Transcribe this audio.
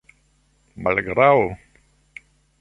malgraŭ